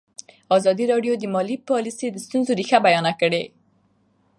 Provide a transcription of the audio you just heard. ازادي راډیو د مالي پالیسي د ستونزو رېښه بیان کړې.